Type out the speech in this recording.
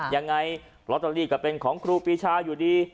ยังไงลอตเตอรี่ก็เป็นของครูปีชาอยู่ดี